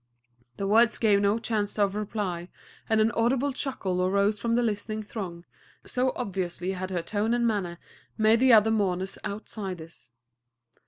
The words gave no chance of reply, and an audible chuckle arose from the listening throng, so obviously had her tone and manner made the other mourners outsiders.